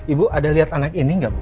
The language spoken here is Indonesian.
ibu ada lihat anak ini nggak bu